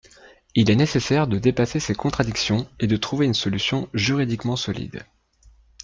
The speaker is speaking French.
Il est nécessaire de dépasser ces contradictions et de trouver une solution juridiquement solide.